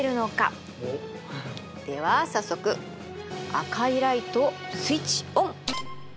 では早速赤いライトスイッチオン！